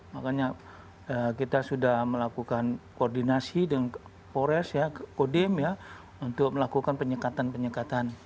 makanya kita sudah melakukan koordinasi dengan pores ya kodim ya untuk melakukan penyekatan penyekatan